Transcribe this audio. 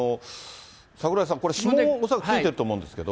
櫻井さん、指紋、恐らくついてると思うんですけど。